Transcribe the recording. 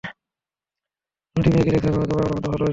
দেবদূতের মতো দুটি মেয়েকে দেখছেন আমাকে পাগলের মতো ভালবেসেছে।